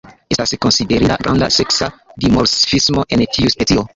Estas konsiderinda granda seksa dimorfismo en tiu specio.